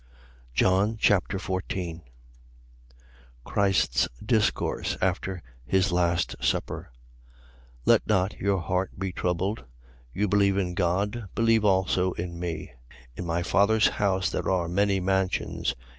John Chapter 14 Christ's discourse after his last supper. 14:1. Let not your heart be troubled. You believe in God: believe also in me. 14:2. In my Father's house there are many mansions.